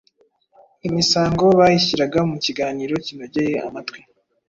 Imisango bayishyiraga mu kiganiro kinogeye amatwi,